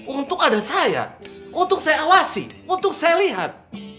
untuk ada saya untuk saya awasi untuk saya lihat